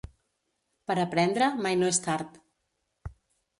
Per aprendre mai no és tard.